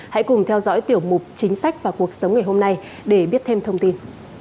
hãy cùng theo dõi tiểu mục chính sách và cuộc sống ngày hôm nay để biết thêm thông tin